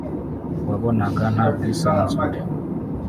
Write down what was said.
wabonaga nta bwisanzure